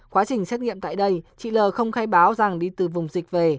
quá trình xét nghiệm tại đây chị l không khai báo rằng đi từ vùng dịch về